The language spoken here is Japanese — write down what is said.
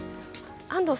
安藤さん